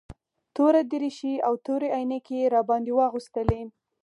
توره دريشي او تورې عينکې يې راباندې واغوستلې.